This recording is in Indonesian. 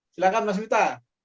silahkan mas hibta